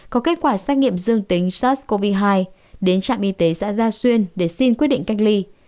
có kết quả xét nghiệm dương tính sars cov hai đến trạm y tế xã gia xuyên để xin quyết định cách ly